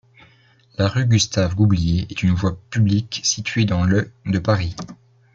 La rue Gustave-Goublier est une voie publique située dans le de Paris.